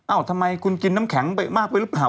ทำไมคุณกินน้ำแข็งไปมากไปหรือเปล่า